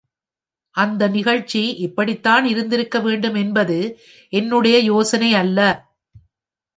அந்த நிகழ்ச்சி இப்படித்தான் இருந்திருக்க வேண்டும் என்பது என்னுடைய யோசனை அல்ல.